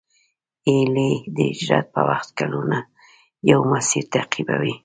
هیلۍ د هجرت په وخت کلونه یو مسیر تعقیبوي